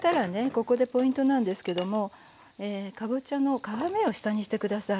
ここでポイントなんですけどもかぼちゃの皮目を下にして下さい。